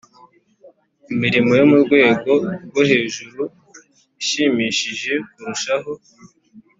imirimo yo mu rwego rwo hejuru ishimishije kurushaho.